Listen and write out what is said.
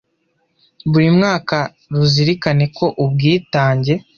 buri mwaka ruzirikana ko ubwitange